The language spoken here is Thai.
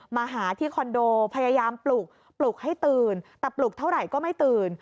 มาหาที่คอนโดพยายามปลุกปลุกให้ตื่นแต่ปลุกเท่าไหร่ก็ไม่ตื่น